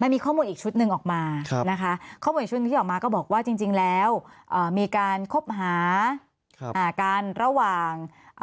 มันมีข้อมูลอีกชุดหนึ่งออกมานะคะข้อมูลอีกชุดหนึ่งที่ออกมาก็บอกว่าจริงแล้วมีการคบหากันระหว่าง